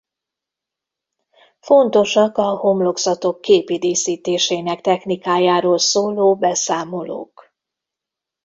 Fontosak a homlokzatok képi díszítésének technikájáról szóló beszámolók.